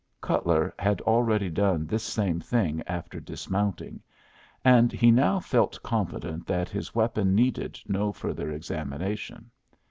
Cutler had already done this same thing after dismounting, and he now felt confident that his weapon needed no further examination.